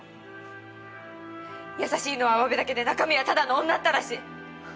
優しいのはうわべだけで中身はただの女ったらし。